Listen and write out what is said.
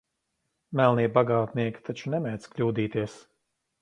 Melnie bagātnieki taču nemēdz kļūdīties.